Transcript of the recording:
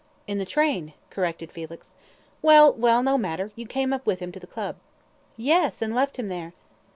"In the train," corrected Felix. "Well, well, no matter, you came up with him to the Club." "Yes, and left him there."